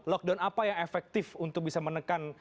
lockdown apa yang efektif untuk bisa menekan